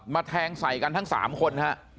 มาแทงใส่กันทั้งสามคน